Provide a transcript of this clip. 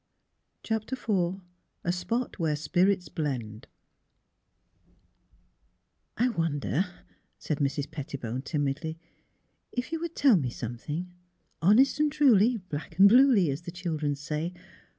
CHAPTER IV A SPOT WHERE SPIRITS BLEND" << I wonder/' said Mrs. Pettibone timidly, '' if you would tell me something, honest and truly, black and bluely, as the children say.